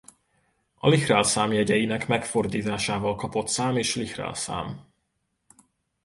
A Lychrel-szám jegyeinek megfordításával kapott szám is Lychrel-szám.